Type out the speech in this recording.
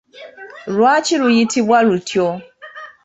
Lwaki luyitibwa lutyo?